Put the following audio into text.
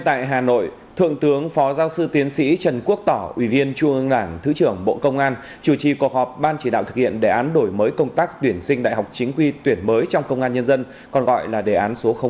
tại hà nội thượng tướng phó giáo sư tiến sĩ trần quốc tỏ ủy viên trung ương đảng thứ trưởng bộ công an chủ trì cuộc họp ban chỉ đạo thực hiện đề án đổi mới công tác tuyển sinh đại học chính quy tuyển mới trong công an nhân dân còn gọi là đề án số năm